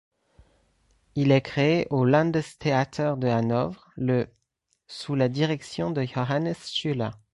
Il est créé au Landestheater de Hanovre le sous la direction de Johannes Schüler.